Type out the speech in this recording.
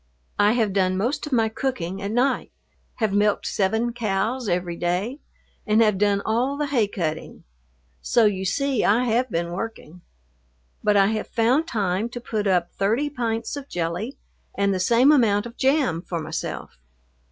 I have done most of my cooking at night, have milked seven cows every day, and have done all the hay cutting, so you see I have been working. But I have found time to put up thirty pints of jelly and the same amount of jam for myself.